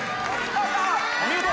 お見事！